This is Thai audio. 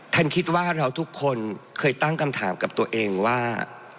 คิดว่าเราทุกคนเคยตั้งคำถามกับตัวเองว่า